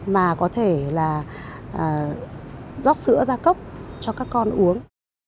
mà có thể là rót sữa ra cốc cho các con uống